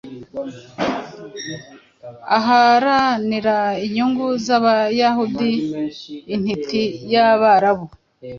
uharanira inyungu zAbayahudiintiti yabarabu